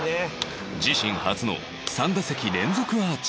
自身初の３打席連続アーチ